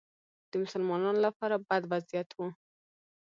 د مسلمانانو لپاره بد وضعیت و